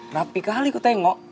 rapi kali ku tengok